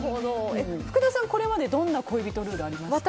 福田さん、これまでどんな恋人ルールありました？